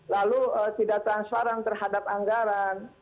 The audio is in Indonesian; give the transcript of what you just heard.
lalu tidak transparan terhadap anggaran